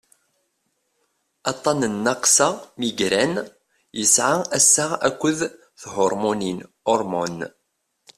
aṭṭan n nnaqsa migraine yesɛa assaɣ akked thurmunin hormones